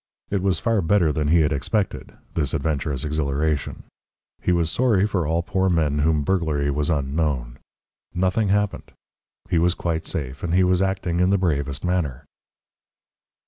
It was far better than he had expected this adventurous exhilaration. He was sorry for all poor men to whom burglary was unknown. Nothing happened. He was quite safe. And he was acting in the bravest manner!